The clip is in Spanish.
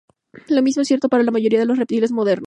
Lo mismo es cierto para la mayoría de los reptiles modernos.